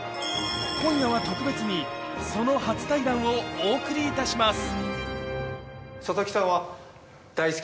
今夜は特別に、その初対談をお送りいたします。